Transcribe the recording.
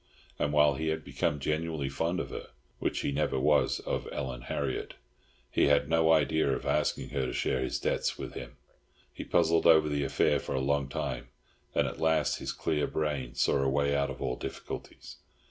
And while he had become genuinely fond of her (which he never was of Ellen Harriott), he had no idea of asking her to share his debts with him. He puzzled over the affair for a long time, and at last his clear brain saw a way out of all difficulties.